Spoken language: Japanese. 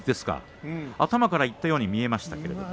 頭からいってるように見えましたがね。